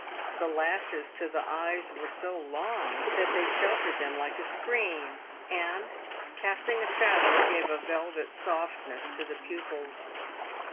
The lashes to the eyes were so long that they sheltered them like a screen, and, casting a shadow, gave a velvet softness to the pupils.